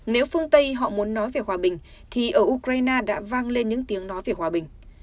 nếu phương tây họ muốn nói về hòa bình thì ở ukraine đã vang lên những tiếng nói về hòa bình